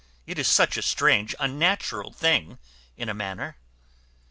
It is such a strange unnatural thing, in a manner."